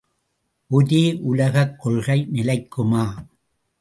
ஒரே உலகக் கொள்கை நிலைக்குமா?